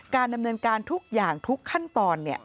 การดำเนินการทุกขั้นตอน